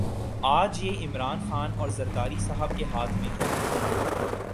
آج یہ عمران خان اور زرداری صاحب کے ہاتھ میں ہے۔